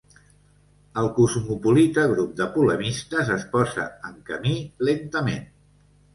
El cosmopolita grup de polemistes es posa en camí lentament.